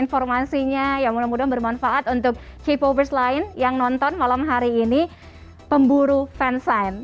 informasinya ya mudah mudahan bermanfaat untuk k popers lain yang nonton malam hari ini pemburu fansign